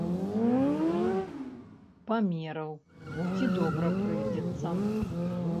Памераў, ці добра прыйдзецца.